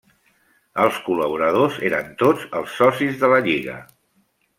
Els col·laboradors eren tots els socis de la Lliga.